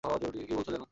কী বলছ যেন?